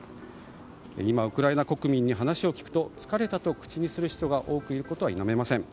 今、ウクライナ国民に話を聞くと疲れたと口にする人が多くいることは否めません。